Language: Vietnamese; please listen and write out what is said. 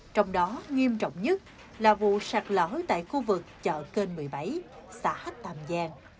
trong đó nghiêm trọng nhất là vụ sạt lở tại khu vực chợ kênh một mươi bảy xã hách tàm giang